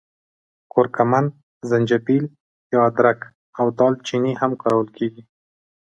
کورکمن، زنجبیل یا ادرک او دال چیني هم کارول کېږي.